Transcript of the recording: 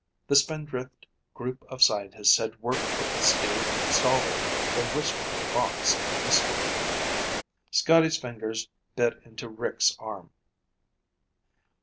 The Spindrift group of scientists had worked with Steve in solving The Whispering Box Mystery. Scotty's fingers bit into Rick's arm.